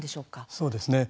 そうですね。